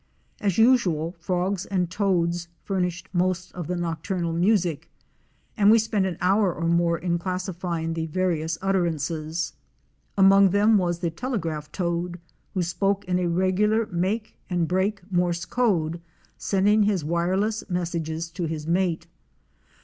As usual frogs and toads furnished most of the nocturnal music, and we spent an hour or more in classifying the various utterances. Among them was the Telegraph Toad who spoke in a regular make and break Morse code, sending his wireless messages to his mate.